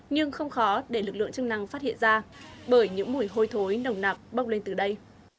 nhưng không khó để lực lượng chức năng phát hiện ra bởi những mùi hôi thối nồng nạp bốc lên từ đây